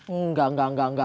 enggak enggak enggak enggak